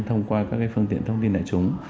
thông qua các phương tiện thông tin đại chúng